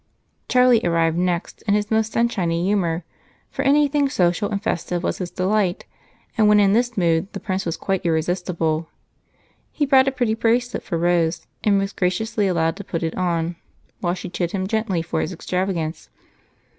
Charlie arrived next in his most sunshiny humor, for anything social and festive was his delight, and when in this mood the Prince was quite irresistible. He brought a pretty bracelet for Rose and was graciously allowed to put it on while she chid him gently for his extravagance.